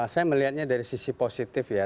saya melihatnya dari sisi positif ya